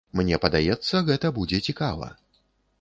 Мне падаецца, гэта будзе цікава.